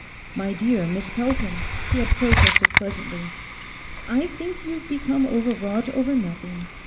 "My dear Miss Pelton," he had protested pleasantly. "I think you've become overwrought over nothing.